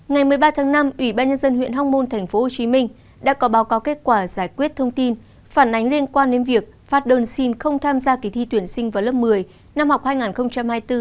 ngày một mươi ba tháng năm ủy ban nhân dân huyện hóc môn tp hcm đã có báo cáo kết quả giải quyết thông tin phản ánh liên quan đến việc phát đơn xin không tham gia kỳ thi tuyển sinh vào lớp một mươi năm học hai nghìn hai mươi bốn